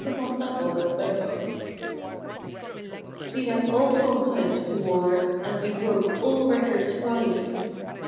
1914 "WILD BOB" BURMAN See that awful hood he wore As he broke all records driving?